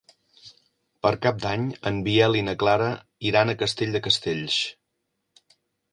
Per Cap d'Any en Biel i na Clara iran a Castell de Castells.